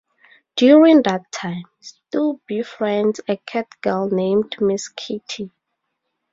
During that time, Stu befriends a catgirl named Miss Kitty.